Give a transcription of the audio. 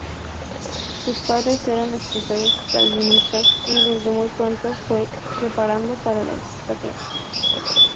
Sus padres eran estrictos calvinistas y desde muy pronto fue preparado para el sacerdocio.